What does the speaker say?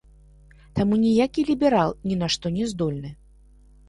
Таму ніякі ліберал ні на што не здольны.